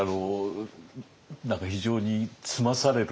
何か非常につまされる。